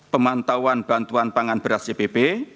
pemantauan bantuan pangan beras cpp